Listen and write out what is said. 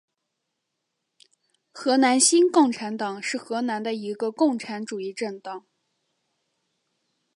荷兰新共产党是荷兰的一个共产主义政党。